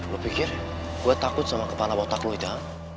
lu pikir gue takut sama kepala otak lu itu